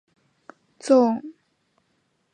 纵横体坛二十年。